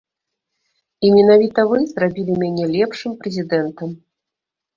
І менавіта вы зрабілі мяне лепшым прэзідэнтам.